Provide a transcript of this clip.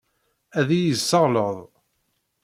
Ad iyi-yesseɣleḍ.